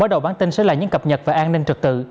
bởi đầu bản tin sẽ là những cập nhật về an ninh trực tự